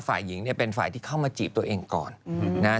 ฝ่ายหญิงเนี่ยเป็นฝ่ายที่เข้ามาจีบตัวเองก่อนนะ